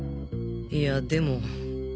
いやでも。